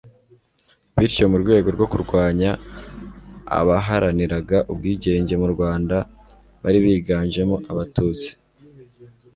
bityo mu rwego rwo kurwanya abaharaniraga ubwigenge mu Rwanda bari biganjemo Abatutsi,